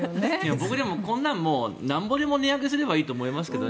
僕、こんなのなんぼでも値上げすればいいと思いますけどね。